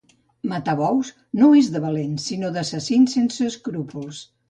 Matar bous no és de valents sinó d'assassins sense escrupols